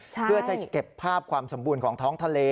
เพื่อจะเก็บภาพความสมบูรณ์ของท้องทะเล